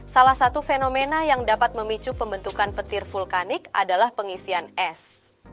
salah satu fenomena yang dapat memicu pembentukan petir vulkanik adalah pengisian es